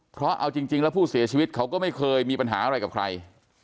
เพราะเอาจริงแล้วผู้เสียชีวิตเขาก็ไม่เคยมีปัญหาอะไรกับใคร